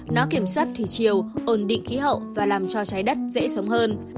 nó kiểm soát thủy chiều ổn định khí hậu và làm cho trái đất dễ sống hơn